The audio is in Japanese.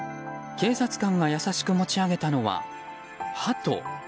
警察官が優しく持ち上げたのはハト。